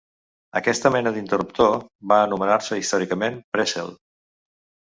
Aquesta mena d'interruptor va anomenar-se històricament "pressel".